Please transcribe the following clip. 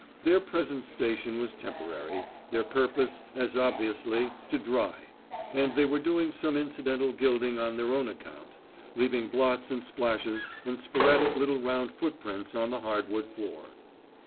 Their present station was temporary, their purpose, as obviously, to dry; and they were doing some incidental gilding on their own account, leaving blots and splashes and sporadic little round footprints on the hardwood floor.